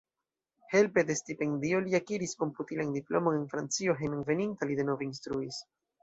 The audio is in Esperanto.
Helpe de stipendio li akiris komputilan diplomon en Francio, hejmenveninta li denove instruis.